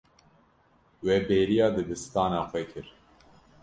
We bêriya dibistana xwe kir.